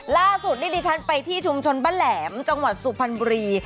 ล่าสุดนี่ดิฉันไปที่ชุมชนบ้านแหลมจังหวัดสุพรรณบุรี